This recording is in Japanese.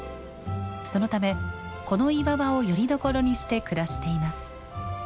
そのためこの岩場をよりどころにして暮らしています。